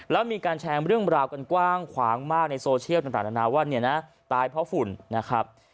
แล้วมีการแชร์เรื่องราวกันกว้างขวางมากในโซเชียลต่างนานาว่าเนี่ยนะตายเพราะฝุ่นนะครับ